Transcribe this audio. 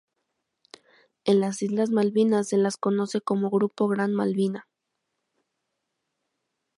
En las Islas Malvinas se las conoce como Grupo Gran Malvina.